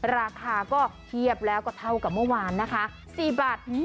สวัสดีครับ